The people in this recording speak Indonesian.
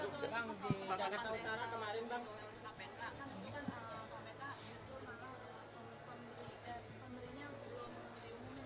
kpk itu kan kpk itu pemberi pemberinya buruk